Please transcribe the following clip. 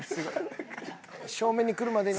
正面に来るまでに。